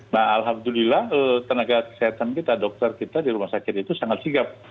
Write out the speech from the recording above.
nah alhamdulillah tenaga kesehatan kita dokter kita di rumah sakit itu sangat sigap